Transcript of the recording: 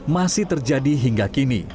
masih terjadi hingga kini